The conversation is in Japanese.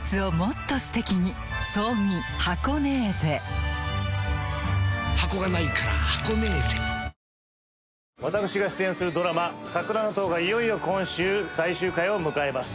「お風呂の防カビくん煙剤」「私が出演するドラマ『桜の塔』がいよいよ今週最終回を迎えます」